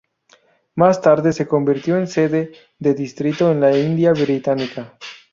Más tarde se convirtió en sede de distrito en la India británica.